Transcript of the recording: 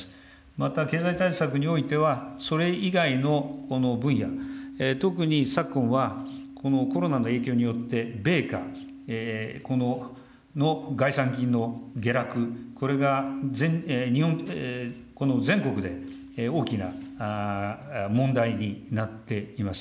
また経済対策においては、それ以外の分野、特に昨今はこのコロナの影響によって、米価、米価の概算金の下落、これが、全国で大きな問題になっています。